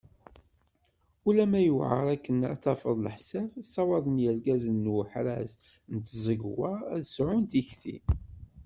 Ulama yewɛer akken ad tafeḍ leḥsab, ssawaḍen yirgazen n uḥraz n tẓegwa ad sɛun tikti.